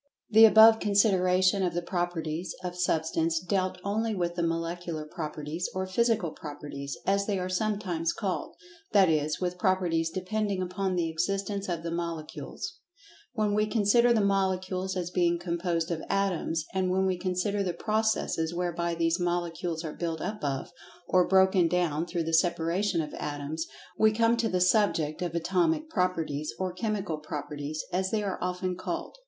The above consideration of the "Properties" of Substance dealt only with the Molecular Properties, or Physical Properties, as they are sometimes called—that is, with properties depending upon the existence of the Molecules.[Pg 84] When we consider the Molecules as being composed of Atoms, and when we consider the processes whereby these Molecules are built up of, or broken down through the separation of Atoms, we come to the subject of Atomic Properties, or Chemical Properties, as they are often called.